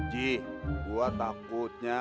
ji gue takutnya